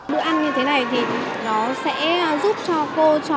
bữa ăn như thế này thì nó sẽ giúp cho cô cho